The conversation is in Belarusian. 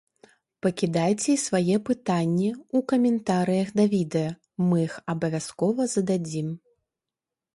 Пакідайце і свае пытанні ў каментарыях да відэа, мы іх абавязкова зададзім!